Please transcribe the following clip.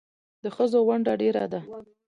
د ښځو ونډه ډېره ده